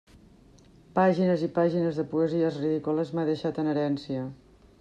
Pàgines i pàgines de poesies ridícules m'ha deixat en herència!